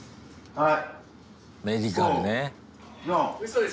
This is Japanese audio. はい！